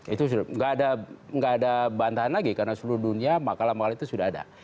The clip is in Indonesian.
itu sudah nggak ada bantahan lagi karena seluruh dunia makalah makalah itu sudah ada